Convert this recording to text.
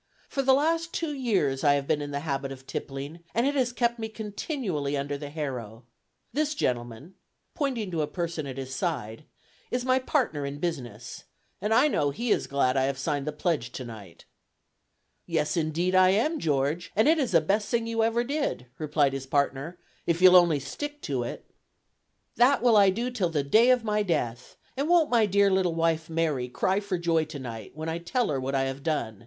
For the last two years I have been in the habit of tippling, and it has kept me continually under the harrow. This gentleman (pointing to a person at his side) is my partner in business, and I know he is glad I have signed the pledge to night." "Yes, indeed I am, George, and it is the best thing you ever did," replied his partner, "if you'll only stick to it." "That will I do till the day of my death; and won't my dear little wife Mary cry for joy to night, when I tell her what I have done!"